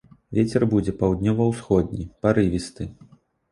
Вецер будзе паўднёва-ўсходні парывісты.